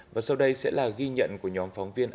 và sau đây sẽ là ghi nhận của nhóm phóng viên